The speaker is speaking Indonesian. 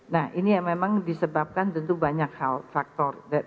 nah ini yang memang disebabkan tentu banyak hal faktor